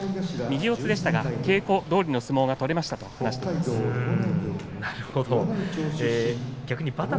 右四つでしたが稽古どおりの相撲が取れましたと話していました。